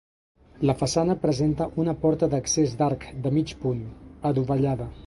La façana presenta una porta d'accés d'arc de mig punt, adovellada.